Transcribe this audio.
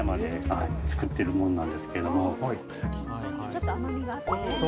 ちょっと甘みがあってね。